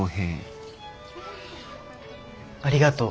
ありがとう。